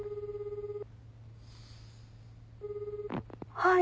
☎☎はい。